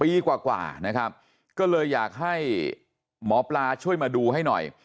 ปีกว่านะครับก็เลยอยากให้หมอปลาช่วยมาดูให้หน่อย